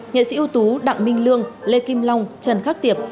nghệ sĩ ưu tú đặng minh lương lê kim long trần khắc tiệp